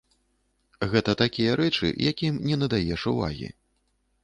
Гэта такія рэчы, якім не надаеш увагі.